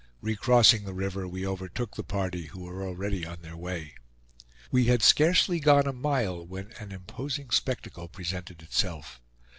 Recrossing the river we overtook the party, who were already on their way. We had scarcely gone a mile when an imposing spectacle presented itself.